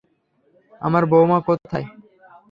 আমার বউমা কোথায়?